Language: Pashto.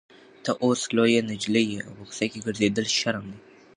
ته اوس لویه نجلۍ یې او په کوڅه کې ګرځېدل شرم دی.